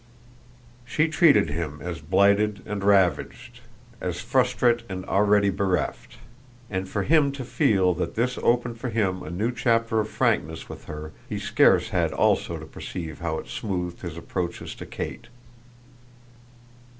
She treated him as blighted and ravaged, as frustrate and already bereft; and for him to feel that this opened for him a new chapter of frankness with her he scarce had also to perceive how it smoothed his approaches to Kate.